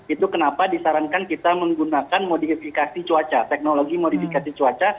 itu kenapa disarankan kita menggunakan modifikasi cuaca teknologi modifikasi cuaca